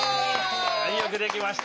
はいよくできました。